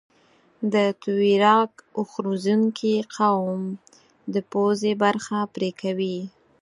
د تویراګ اوښ روزنکي قوم د پوزه برخه پرې کوي.